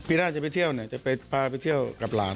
น่าจะไปเที่ยวเนี่ยจะไปพาไปเที่ยวกับหลาน